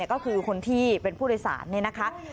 ก็คือคนที่เป็นผู้โดยสารนี่นะคะ